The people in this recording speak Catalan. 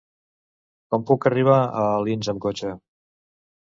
Com puc arribar a Alins amb cotxe?